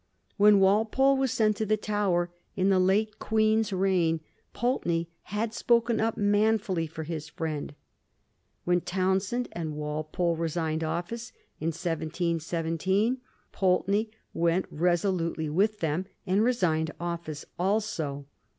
When Wal pole was sent to the Tower in the late Queen's reign, Pulteney had spoken up manfully for his friend. When Townshend and Walpole resigned office in 1717, Pulteney went resolutely with them and resigned office also.